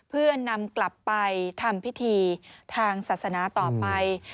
เพื่อนำกลับไปทำพิธีทางศาสนาต่อไป